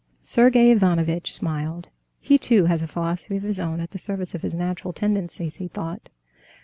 Sergey Ivanovitch smiled. "He too has a philosophy of his own at the service of his natural tendencies," he thought.